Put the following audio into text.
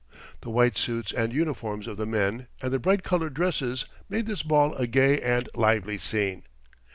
The white suits and uniforms of the men and the bright coloured dresses made this ball a gay and lively scene.